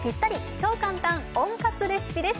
超簡単本格レシピです。